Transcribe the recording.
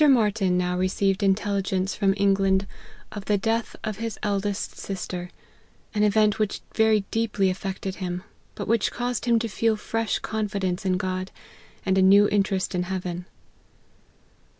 MARTYN now received intelligence from England of the death of his eldest sister, an event which very deeply afflicted him ; but which caused him to feel fresh confidence in God, and a new in terest in heaven.